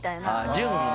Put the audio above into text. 準備ね。